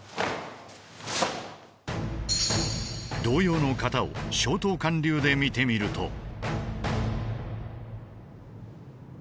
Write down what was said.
同様の形を松濤館流で見てみると。